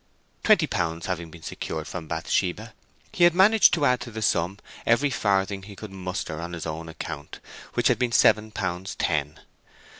Twenty pounds having been secured from Bathsheba, he had managed to add to the sum every farthing he could muster on his own account, which had been seven pounds ten.